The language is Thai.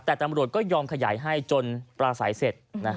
แต่ตำรวจก็ยอมขยายให้จนปราศัยเสร็จ